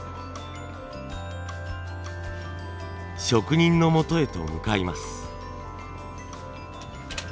職人のもとへと向かいます。